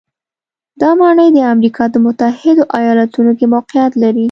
دا ماڼۍ د امریکا د متحدو ایالتونو کې موقعیت لري.